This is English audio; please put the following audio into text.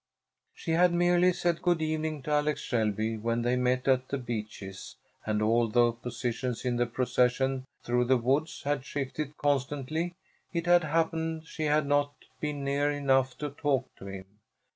She had merely said good evening to Alex Shelby when they met at The Beeches, and, although positions in the procession through the woods had shifted constantly, it had happened she had not been near enough to talk with him.